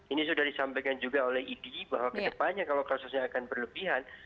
ini sudah disampaikan juga oleh idi bahwa kedepannya kalau kasusnya akan berlebihan